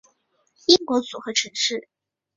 英国组合城市